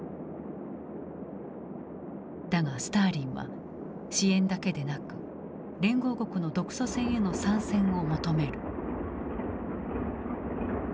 だがスターリンは支援だけでなく連合国の独ソ戦への参戦を求める。